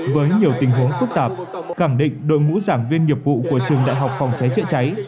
với nhiều tình huống phức tạp khẳng định đội ngũ giảng viên nghiệp vụ của trường đại học phòng cháy chữa cháy